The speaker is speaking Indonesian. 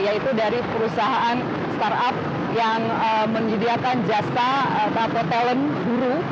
yaitu dari perusahaan startup yang menyediakan jasa rapot talent guru